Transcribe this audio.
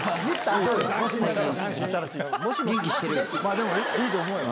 でもいいと思うよ。